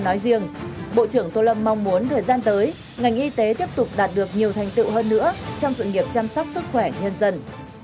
nói riêng bộ trưởng tô lâm mong muốn thời gian tới ngành y tế tiếp tục đạt được nhiều thành tựu hơn nữa trong sự nghiệp chăm sóc sức khỏe nhân dân